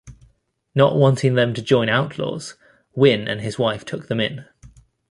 Not wanting them to join outlaws, Winn and his wife took them in.